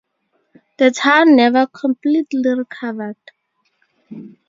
The town never completely recovered.